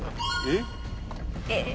えっ。